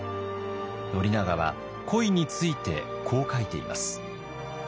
宣長は恋についてこう書いています。